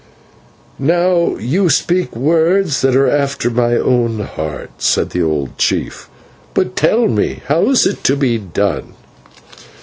"Now you speak words that are after my own heart," said the old chief; "but tell me, how is it to be done?"